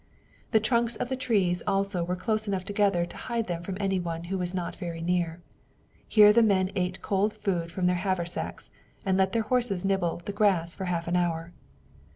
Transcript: The trunks of the trees also were close enough together to hide them from anyone else who was not very near. Here the men ate cold food from their haversacks and let their horses nibble the grass for a half hour.